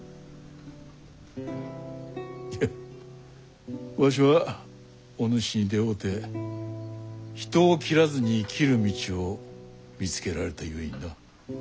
フッわしはお主に出会うて人を斬らずに生きる道を見つけられたゆえにな。